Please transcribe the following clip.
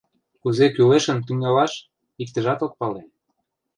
Кузе кӱлешын тӱҥалаш — иктыжат ок пале.